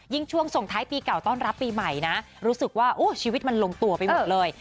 ช่วงส่งท้ายปีเก่าต้อนรับปีใหม่นะรู้สึกว่าโอ้ชีวิตมันลงตัวไปหมดเลย